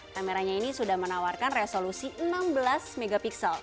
kameranya ini sudah menawarkan resolusi enam belas mp